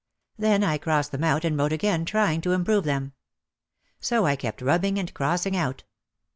Then I crossed them out and wrote again trying to improve them. So I kept rubbing and crossing out.